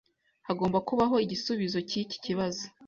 Hagomba kubaho igisubizo cyiki kibazo.